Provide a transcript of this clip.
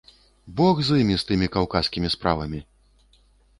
Бог з імі, тымі каўказскімі справамі!